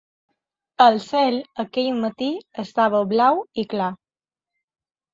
El cel aquell matí estava blau i clar.